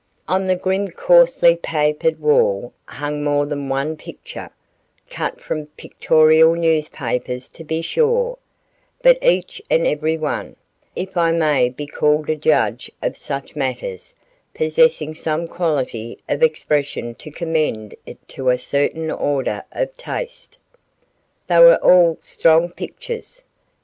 On the grim coarsely papered wall hung more than one picture; cut from pictorial newspapers to be sure, but each and every one, if I may be called a judge of such matters, possessing some quality of expression to commend it to a certain order of taste. They were all strong pictures.